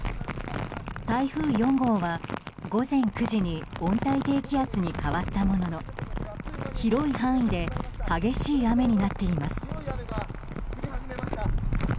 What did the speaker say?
台風４号は午前９時に温帯低気圧に変わったものの広い範囲で激しい雨になっています。